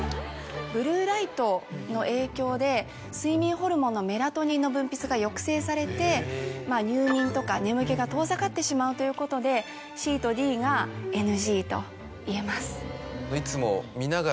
ブルーライトの影響で睡眠ホルモンのメラトニンの分泌が抑制されて入眠とか眠気が遠ざかってしまうということでＣとＤがＮＧといえます。